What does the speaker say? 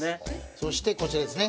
そしてこちらですね。